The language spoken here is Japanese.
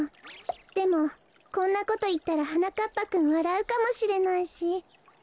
でもこんなこといったらはなかっぱくんわらうかもしれないし。